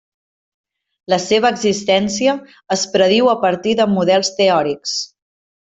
La seva existència es prediu a partir de models teòrics.